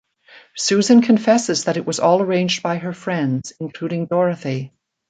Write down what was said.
Susan confesses that it was all arranged by her friends, including Dorothy.